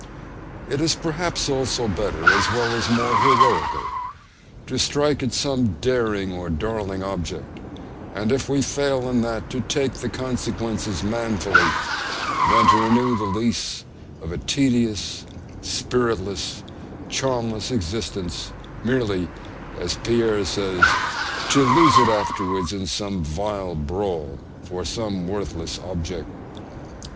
It is, perhaps, also better, as well as more heroical, to strike at some daring or darling object, and if we fail in that, to take the consequences manfully, than to renew the lease of a tedious, spiritless, charmless existence, merely (as Pierre says) 'to lose it afterwards in some vile brawl' for some worthless object.